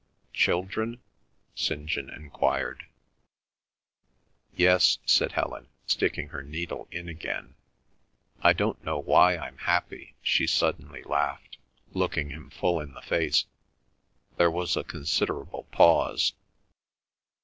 "Children?" St. John enquired. "Yes," said Helen, sticking her needle in again. "I don't know why I'm happy," she suddenly laughed, looking him full in the face. There was a considerable pause.